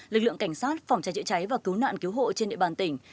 lực lượng cảnh sát phòng cháy chữa cháy và cứu nạn cứu hộ trên địa bàn tỉnh